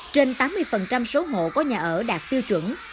trên tám mươi số hộ có nhà ở đạt tiêu chuẩn